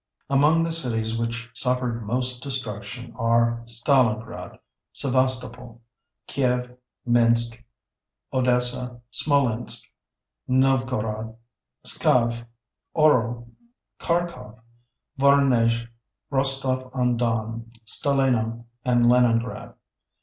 Among the cities which suffered most destruction are Stalingrad, Sevastopol, Kiev, Minsk, Odessa, Smolensk, Novgorod, Pskov, Orel, Kharkov, Voronezh, Rostov on Don, Stalino, and Leningrad.